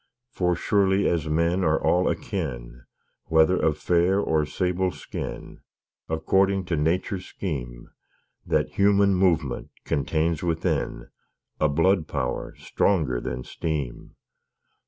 For surely as men are all akin, Whether of fair or sable skin, According to Nature's scheme, That Human Movement contains within A Blood Power stronger than Steam.